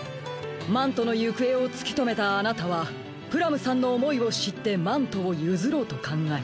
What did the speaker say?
マントのゆくえをつきとめたあなたはプラムさんのおもいをしってマントをゆずろうとかんがえた。